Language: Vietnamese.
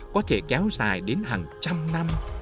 có thể kéo dài đến hàng trăm năm